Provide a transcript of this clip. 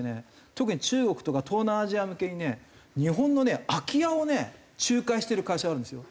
特に中国とか東南アジア向けにね日本の空き家をね仲介してる会社があるんですよ。